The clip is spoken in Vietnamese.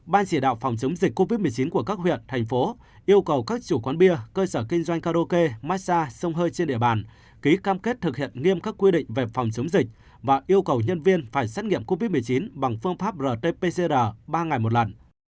ban chỉ đạo phòng chống dịch covid một mươi chín của các huyện thành phố yêu cầu các chủ quán bia cơ sở kinh doanh karaoke massage sông hơi trên địa bàn ký cam kết thực hiện nghiêm các quy định về phòng chống dịch và yêu cầu nhân viên phải xét nghiệm covid một mươi chín bằng phương pháp rt pcr ba ngày một lần